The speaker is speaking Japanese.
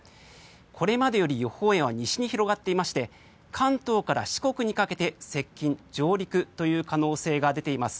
これまでより予報円は西に広がっていまして関東から四国にかけて接近・上陸という可能性が出ています。